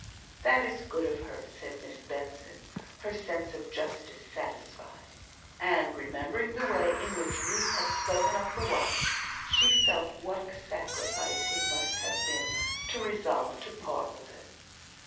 "That is good of her," said Miss Benson, her sense of justice satisfied; and, remembering the way in which Ruth had spoken of the watch, she felt what a sacrifice it must have been to resolve to part with it.